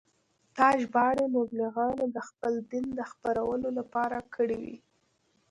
دا ژباړې مبلغانو د خپل دین د خپرولو لپاره کړې وې.